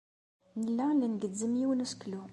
Nella la ngezzem yiwen n useklu.